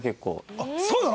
あっそうなの？